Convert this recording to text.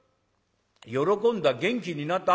喜んだ元気になった。